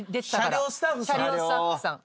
車両スタッフさん。